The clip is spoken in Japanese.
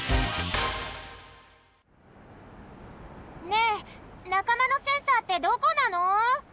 ねえなかまのセンサーってどこなの？